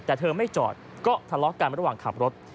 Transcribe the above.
แต่เธอไม่จอดก็ทะเลาะกันระหว่างขับรถ